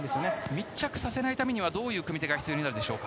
密着させないためにはどういう組み手が必要になりますか。